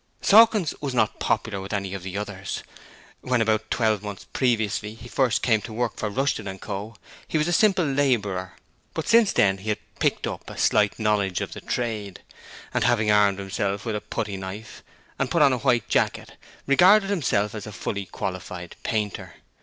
Sawkins was not popular with any of the others. When, about twelve months previously, he first came to work for Rushton & Co., he was a simple labourer, but since then he had 'picked up' a slight knowledge of the trade, and having armed himself with a putty knife and put on a white jacket, regarded himself as a fully qualified painter.